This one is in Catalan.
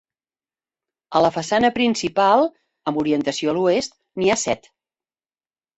A la façana principal, amb orientació a l'oest, n'hi ha set.